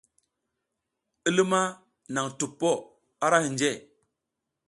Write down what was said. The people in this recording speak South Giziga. I luma naƞ tuppo ara hinje.